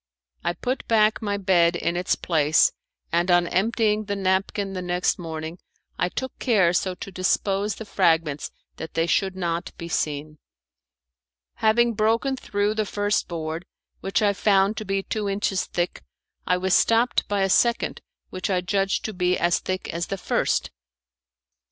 I put back my bed in its place, and on emptying the napkin the next morning I took care so to dispose the fragments that they should not be seen. Having broken through the first board, which I found to be two inches thick, I was stopped by a second which I judged to be as thick as the first.